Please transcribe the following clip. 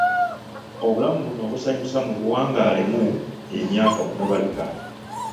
Obulamu buno obusanyusa mubuwangaalemu emyaka butabalika.